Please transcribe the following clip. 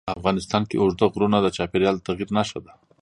افغانستان کې اوږده غرونه د چاپېریال د تغیر نښه ده.